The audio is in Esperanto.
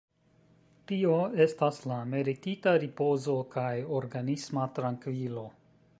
Tio estas la meritita ripozo kaj organisma trankvilo.